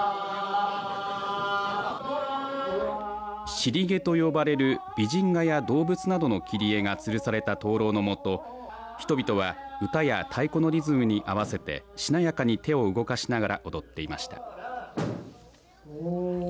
シリゲと呼ばれる美人画や動物などの切り絵がつるされた灯籠のもと人々は歌や太鼓のリズムに合わせてしなやかに手を動かしながら踊っていました。